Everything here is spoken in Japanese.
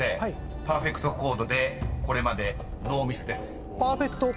パーフェクトコードでこれまでノーミスです］